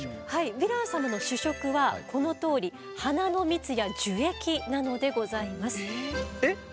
ヴィラン様の主食はこのとおり花の蜜や樹液なのでございます。